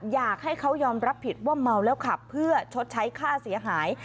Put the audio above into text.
อยากให้เขายอมรับผิดว่าเมาแล้วขับเพื่อชดใช้ค่าเสียหาย